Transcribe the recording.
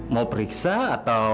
mau periksa atau